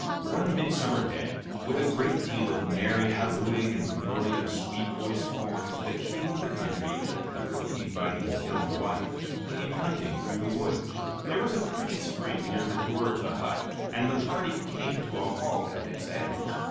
One midsummer day, with a great deal of merry hallooing and blowing of sweet voiced horns, the King of the country, accompanied by his young wife, came hunting through the wood. There was a pretty spring near the door of the hut, and the party came to a halt at its edge.